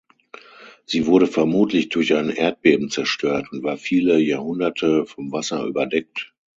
Sie wurde vermutlich durch ein Erdbeben zerstört und war viele Jahrhunderte vom Wasser überdeckt.